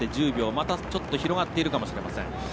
またちょっと広がっているかもしれません。